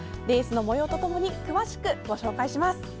レースのもようとともに詳しくご紹介します。